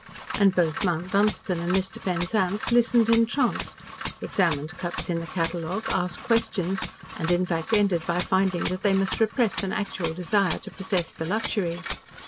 And both Mount Dunstan and Mr. Penzance listened entranced, examined cuts in the catalogue, asked questions, and in fact ended by finding that they must repress an actual desire to possess the luxury.